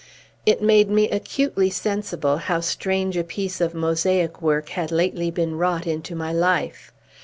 It made me acutely sensible how strange a piece of mosaic work had lately been wrought into my life.